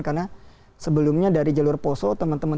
karena sebelumnya dari jalur poso teman teman